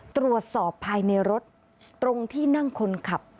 ตรวจสอบภายในรถตรงที่นั่งคนขับ